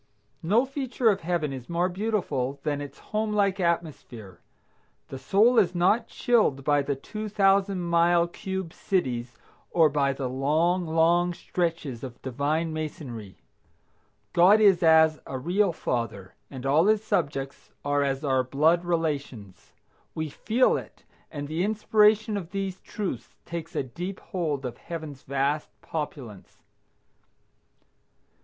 No feature of Heaven is more beautiful than its home like atmosphere. The soul is not chilled by the two thousand mile cube cities, or by the long, long stretches of Divine masonry. God is as a real father, and all his subjects are as our blood relations. We feel it, and the inspiration of these truths takes a deep hold of Heaven's vast populace.